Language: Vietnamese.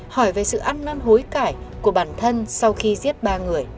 hỏi về sự ăn năn hối cải của bản thân sau khi giết bà